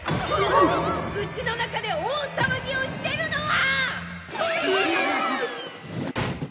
家の中で大騒ぎをしてるのは！！